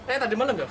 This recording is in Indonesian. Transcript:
eh tadi malam gak